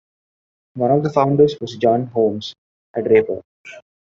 One of the founders was John Holmes, a draper.